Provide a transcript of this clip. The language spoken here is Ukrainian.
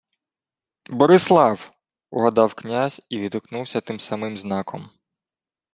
— Борислав! — угадав князь і відгукнувся тим самим знаком.